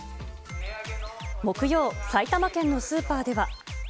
木曜、埼玉県のスーパーでは。